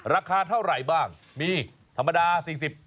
ราคาเท่าไหร่บ้างมีธรรมดา๔๐บาท